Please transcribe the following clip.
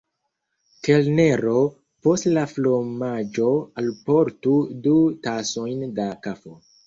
Kelnero, post la fromaĝo alportu du tasojn da kafo.